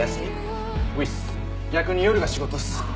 逆に夜が仕事っす。